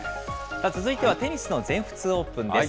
続いてはテニスの全仏オープンです。